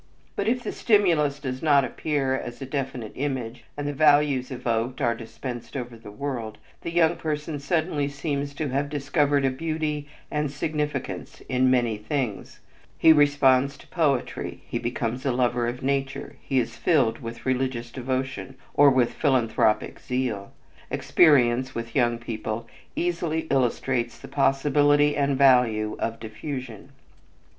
But if the stimulus does not appear as a definite image, and the values evoked are dispensed over the world, the young person suddenly seems to have discovered a beauty and significance in many things he responds to poetry, he becomes a lover of nature, he is filled with religious devotion or with philanthropic zeal. Experience, with young people, easily illustrates the possibility and value of diffusion.